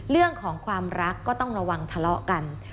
เรื่องของความรักก็ต้องระวังทะเลาะกัน